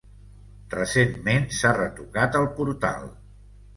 Recentment s'ha retocat el portal.